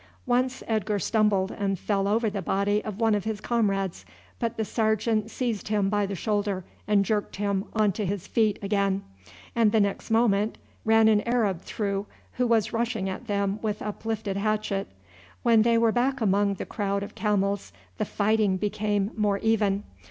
Once Edgar stumbled and fell over the body of one of his comrades, but the sergeant seized him by the shoulder and jerked him on to his feet again, and the next moment ran an Arab through who was rushing at them with uplifted hatchet. When they were back among the crowd of camels the fighting became more even.